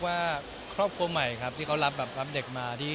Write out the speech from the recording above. ให้ครอบครัวใหม่ที่เค้ารับเด็กมา